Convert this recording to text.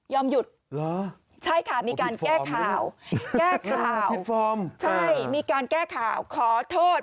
หยุดเหรอใช่ค่ะมีการแก้ข่าวแก้ข่าวใช่มีการแก้ข่าวขอโทษ